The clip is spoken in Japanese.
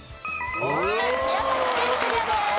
宮崎県クリアです。